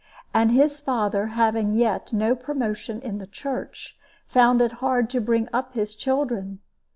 And his father, having as yet no promotion in the Church, found it hard to bring up his children.